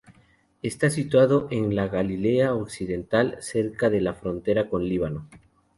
Está situado en la Galilea occidental, cerca de la frontera con Líbano.